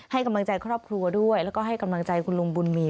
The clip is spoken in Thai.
ให้กำลังใจครอบครัวด้วยแล้วก็ให้กำลังใจคุณลุงบุญมี